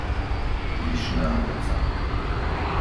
Vyšná Boca